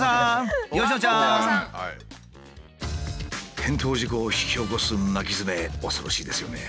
転倒事故を引き起こす巻きヅメ恐ろしいですよね。